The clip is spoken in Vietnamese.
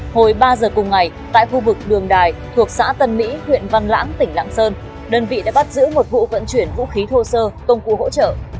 hồi ba giờ cùng ngày tại khu vực đường đài thuộc xã tân mỹ huyện văn lãng tỉnh lạng sơn đơn vị đã bắt giữ một vụ vận chuyển vũ khí thô sơ công cụ hỗ trợ